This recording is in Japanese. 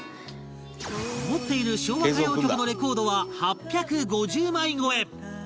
持っている昭和歌謡曲のレコードは８５０枚超え！